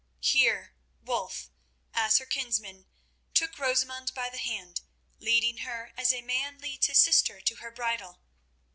Here Wulf, as her kinsman, took Rosamund by the hand, leading her as a man leads his sister to her bridal.